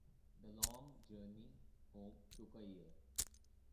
The long journey home took a year.